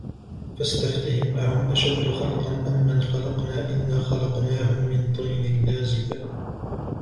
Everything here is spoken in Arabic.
فاستفتهم أهم أشد خلقا أم من خلقنا إنا خلقناهم من طين لازب